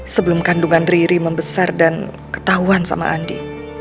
sebelum kandungan riri membesar dan ketahuan sama andi